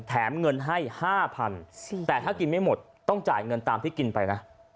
แถมเงินให้๕๐๐๐แต่ถ้ากินไม่หมดต้องจ่ายเงินตามที่กินไปนะ